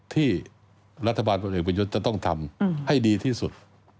ที่รัฐบาลพลเอกประยุทธ์จะต้องทำให้ดีที่สุด